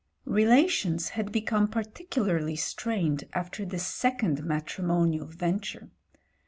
Relations had become particularly strained after this second matrimonial venture.